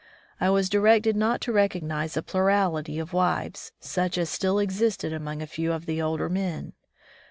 I was directed not to recognize a plurality of wives, such as still existed among a few of the older men.